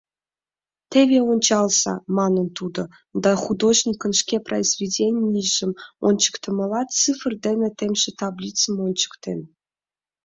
«Теве ончалза, — манын тудо да, художникын шке произведенийжым ончыктымыла, цифр дене темше таблицым ончыктен.